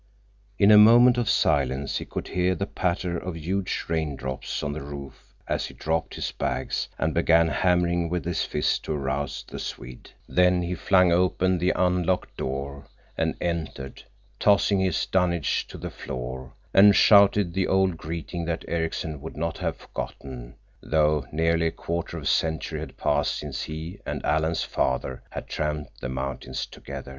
In a moment of silence he could hear the patter of huge raindrops on the roof as he dropped his bags and began hammering with his fist to arouse the Swede. Then he flung open the unlocked door and entered, tossing his dunnage to the floor, and shouted the old greeting that Ericksen would not have forgotten, though nearly a quarter of a century had passed since he and Alan's father had tramped the mountains together.